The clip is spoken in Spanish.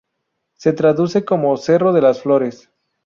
Se traduce como "Cerro de las flores".